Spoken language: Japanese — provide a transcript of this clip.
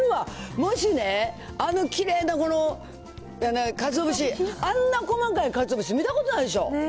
もしね、あのかつお節、あんな細かいかつお節見たことないでしょ？